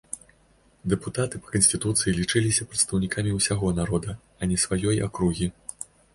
Дэпутаты па канстытуцыі лічыліся прадстаўнікамі ўсяго народа, а не сваёй акругі.